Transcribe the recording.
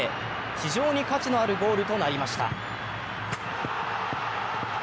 非常に価値のあるゴールとなりました。